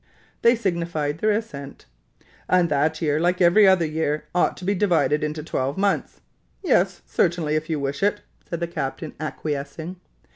They signified their assent. "And that year, like every other year, ought to be divided into twelve months." "Yes, certainly, if you wish it," said the captain, acquiescing.